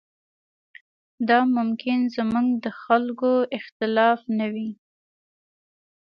دا ممکن زموږ د خلکو اختلاف نه وي.